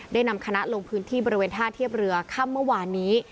นำคณะลงพื้นที่บริเวณท่าเทียบเรือค่ำเมื่อวานนี้